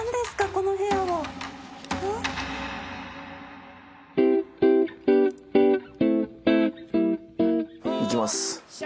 この部屋は。いきます。